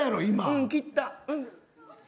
うん切った。